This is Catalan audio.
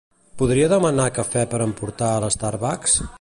Podria demanar cafè per emportar a l'Starbucks?